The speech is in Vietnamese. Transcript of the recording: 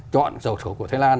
chọn dầu sổ của thái lan